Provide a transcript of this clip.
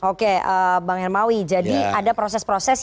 oke bang hermawi jadi ada proses proses